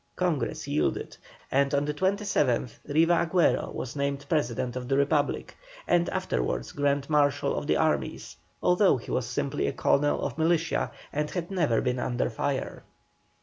Congress yielded, and on the 27th Riva Agüero was named President of the Republic, and afterwards Grand Marshal of the armies, although he was simply a colonel of militia and had never been under fire.